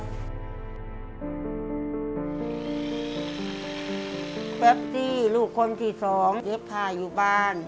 แป๊บที่ลูกคนที่สองเย็บผ้าอยู่บ้าน